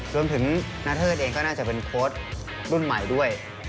รวมถึงนัทเทิร์ดเองก็น่าจะเป็นโค้ชรุ่นใหม่ด้วย